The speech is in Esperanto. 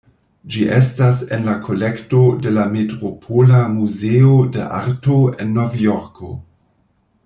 Ĝi estas en la kolekto de la Metropola Muzeo de Arto en Novjorko.